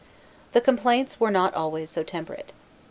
The complaints were not always so temperate.